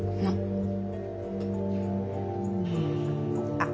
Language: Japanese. あっ。